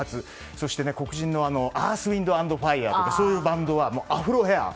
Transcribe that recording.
そして黒人のアースウィンドアンドファイヤーはそういうバンドはアフロヘアー。